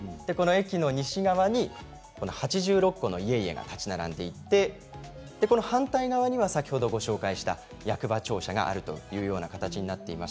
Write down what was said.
その西側に８６戸の家々が建ち並んでいてこの反対側には先ほどご紹介した役場庁舎があるという形です。